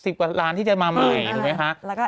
กว่าล้านที่จะมาใหม่ถูกไหมคะ